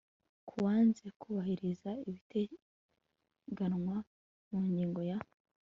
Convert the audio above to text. k uwanze kubahiriza ibiteganywa mu ngingo ya